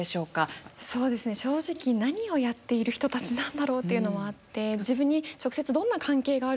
そうですね正直何をやっている人たちなんだろうっていうのはあって自分に直接どんな関係があるんだろうって。